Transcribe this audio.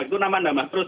itu nama nama terus